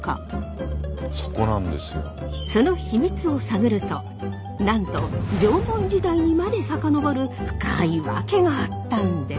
その秘密を探るとなんと縄文時代にまで遡る深い訳があったんです。